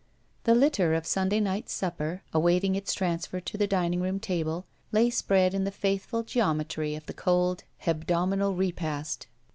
The litter of Sunday night supper, awaiting its transfer to the dining room table, lay spread in the faithful geometry of the cold, hebdomadal repast.